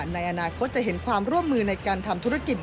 ในอนาคตจะเห็นความร่วมมือในการทำธุรกิจ